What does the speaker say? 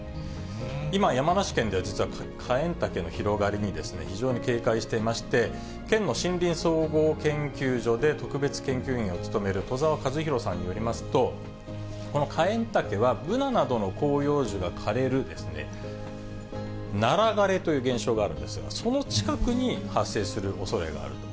今、山梨県では実は、カエンタケの広がりに非常に警戒していまして、県の森林総合研究所で特別研究員を務める戸沢一宏さんによりますと、このカエンタケは、ブナなどの広葉樹が枯れるナラ枯れという現象があるんですが、その近くに発生するおそれがある。